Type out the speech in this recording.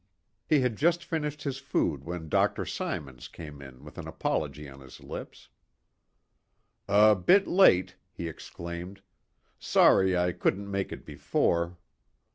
He had just finished his food when Dr. Symons came in with an apology on his lips. "A bit late," he exclaimed. "Sorry I couldn't make it before.